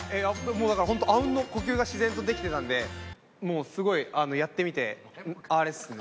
もうだから本当あうんの呼吸が自然とできてたんでもうすごいやってみてあれですね。